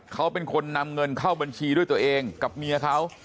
เขาเป็นคนนำเงินเข้าบัญชีด้วยตัวเองกับเมียเขา